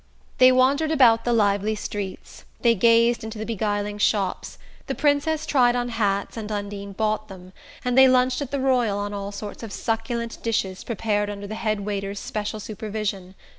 They wandered about the lively streets, they gazed into the beguiling shops, the Princess tried on hats and Undine bought them, and they lunched at the Royal on all sorts of succulent dishes prepared under the head waiter's special supervision.